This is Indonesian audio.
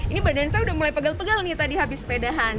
ini badan kita udah mulai pegal pegal nih tadi habis sepedahan